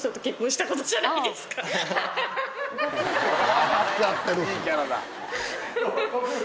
笑っちゃってるし。